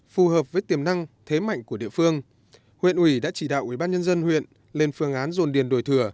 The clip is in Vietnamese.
phù hợp với tiềm năng thế mạnh của địa phương huyện ủy đã chỉ đạo ubnd huyện lên phương án dồn điền đổi thừa